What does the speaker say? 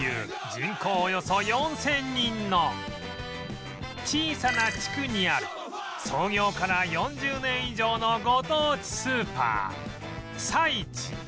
およそ４０００人の小さな地区にある創業から４０年以上のご当地スーパーさいち